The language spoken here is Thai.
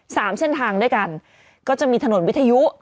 สามเส้นทางด้วยกันก็จะมีถนนวิทยุ